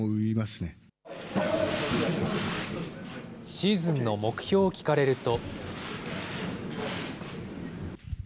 シーズンの目標を聞かれると。